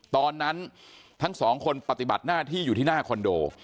ตอนนั้นทั้งสองคนปฏิบัติหน้าที่อยู่ที่หน้าคอนโด